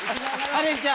カレンちゃん